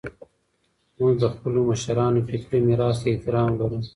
موږ د خپلو مشرانو فکري میراث ته احترام لرو.